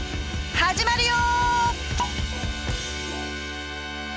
始まるよ！